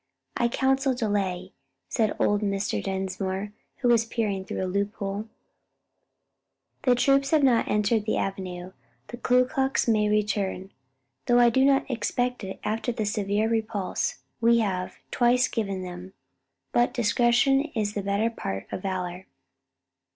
"I counsel delay," said old Mr. Dinsmore who was peering through a loophole, "the troops have not entered the avenue, the Ku Klux may return; though I do not expect it after the severe repulse we have twice given them; but 'discretion is the better part of valor.'"